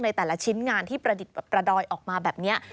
แต่ละชิ้นงานที่ประดอยออกมาแบบนี้